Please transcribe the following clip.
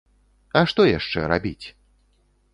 А што яшчэ рабіць?!